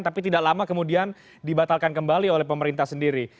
tapi tidak lama kemudian dibatalkan kembali oleh pemerintah sendiri